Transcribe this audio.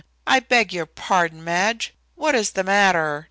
I beg your pardon, Madge, what is the matter?